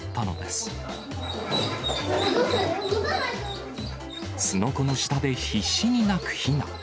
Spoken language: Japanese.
すのこの下で必死に鳴くひな。